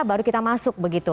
baru kita masuk begitu